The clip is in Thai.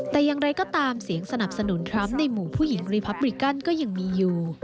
แต่อย่างไรก็ตามเสียงสนับสนุนทรัมป์ในหมู่ผู้หญิงรีพับริกันก็ยังมีอยู่